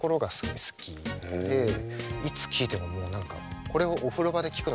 いつ聴いてももう何かこれをお風呂場で聴くのがすごい好きで。